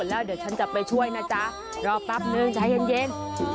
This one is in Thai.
แล้วเดี๋ยวฉันจะไปช่วยนะจ๊ะรอปั๊บนึงจะให้เย็นเย็น